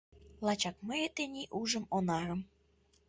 Лачак мые тений ужым Онарым